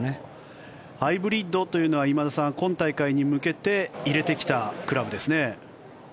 ハイブリッドというのは今田さん、今大会に向けて入れてきたクラブですね。